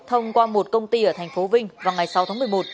thông qua một công ty ở tp vinh vào ngày sáu tháng một mươi một